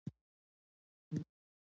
ګلداد هم ښه په خلاص زړه ټوخېده.